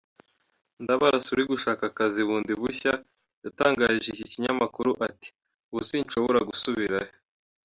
Ndabarasa uri gushaka akazi bundi bushya, yatangarije iki kinyamakuru ati “ubu sinshobora gusubirayo.